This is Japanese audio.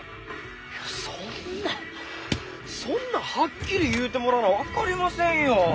いやそんなそんなんはっきり言うてもらわな分かりませんよ。